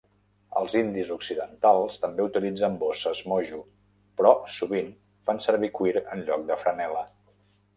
Els indis occidentals també utilitzen bosses mojo, però sovint fan servir cuir en lloc de franel·la.